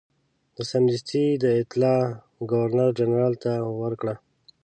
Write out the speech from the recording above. ده سمدستي دا اطلاع ګورنرجنرال ته ورکړه.